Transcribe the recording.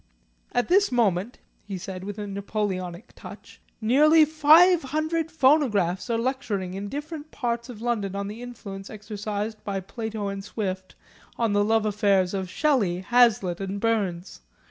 At this moment," he said with a Napoleonic touch, "nearly five hundred phonographs are lecturing in different parts of London on the influence exercised by Plato and Swift on the love affairs of Shelley, Hazlitt, and Burns.